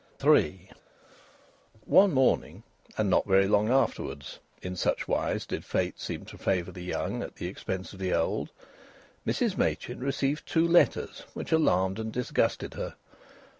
III One morning and not very long afterwards, in such wise did Fate seem to favour the young at the expense of the old Mrs Machin received two letters which alarmed and disgusted her.